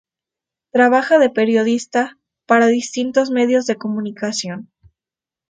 Trabaja de periodista para distintos medios de comunicación.